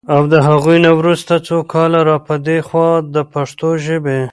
او د هغوی نه وروسته څو کاله را پدې خوا د پښتو ژبې